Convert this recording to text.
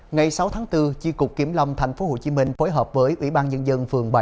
ngày sáu tháng bốn chi cục kiểm lâm tp hcm phối hợp với ủy ban nhân dân phường bảy